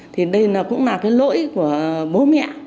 thì đây cũng là lỗi của bố mẹ